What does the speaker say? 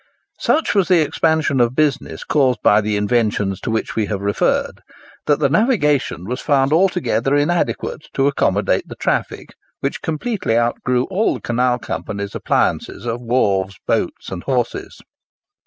Such was the expansion of business caused by the inventions to which we have referred, that the navigation was found altogether inadequate to accommodate the traffic, which completely outgrew all the Canal Companies' appliances of wharves, boats, and horses.